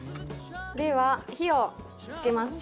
では火をつけます。